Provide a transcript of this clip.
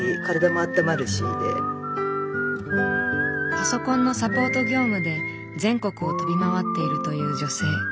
パソコンのサポート業務で全国を飛び回っているという女性。